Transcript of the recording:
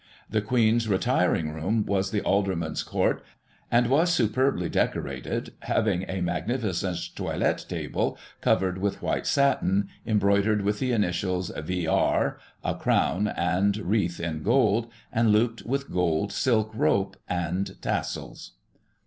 The Queen's retiring room was the Aldermen's Court, and was superbly decorated, having a magnificent toilet table covered with white satin, embroidered with the initials V.R., a crown and wreath in gold, and looped with gold silk rope and tassels.